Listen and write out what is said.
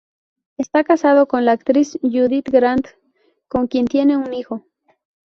Está casado con la actriz Judith Grant, con quien tiene un hijo.